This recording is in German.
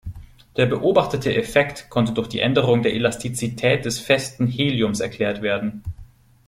Der beobachtete Effekt konnte durch die Änderung der Elastizität des festen Heliums erklärt werden.